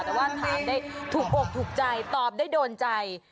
แต่ว่าถามได้ถูกอกถูกใจตอบได้โดนใจ